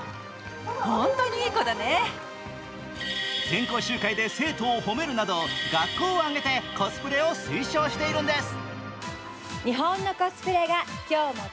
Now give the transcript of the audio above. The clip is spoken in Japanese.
全校集会で生徒を褒めるなど学校を挙げてコスプレを推奨しているんです。